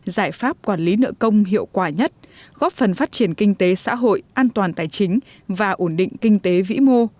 giải pháp quản lý nợ công hiệu quả nhất góp phần phát triển kinh tế xã hội an toàn tài chính và ổn định kinh tế vĩ mô